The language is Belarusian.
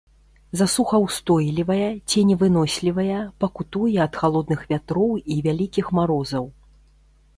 Засухаўстойлівая, ценевынослівая, пакутуе ад халодных вятроў і вялікіх марозаў.